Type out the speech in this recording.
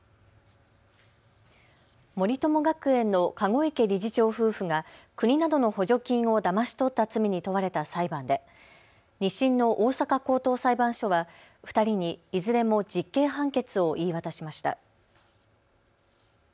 森友学園の籠池理事長夫婦が国などの補助金をだまし取った罪に問われた裁判で２審の大阪高等裁判所は２人に、いずれも実刑判決を言い渡しました。